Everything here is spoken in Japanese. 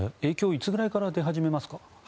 いつぐらいから出始めますか？